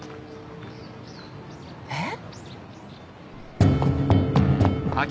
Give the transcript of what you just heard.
えっ。